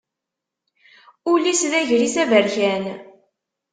Ul-is d agris aberkan.